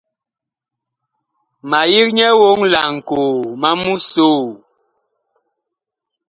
Ma yig nyɛ woŋ laŋkoo, ma mu soo.